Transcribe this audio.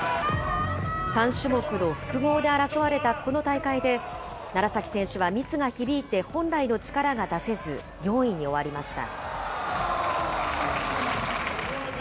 ３種目の複合で争われたこの大会で、楢崎選手はミスが響いて本来の力が出せず４位に終わりました。